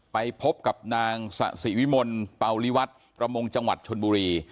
ไปพบกับนางสะสิวิมลเป่าลิวัฒน์ประมงจังหวัดชนบุรี